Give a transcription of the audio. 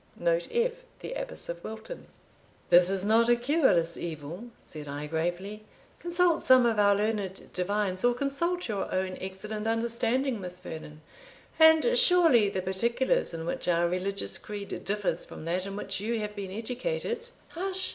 * Note F. The Abbess of Wilton. "This is not a cureless evil," said I gravely. "Consult some of our learned divines, or consult your own excellent understanding, Miss Vernon; and surely the particulars in which our religious creed differs from that in which you have been educated" "Hush!"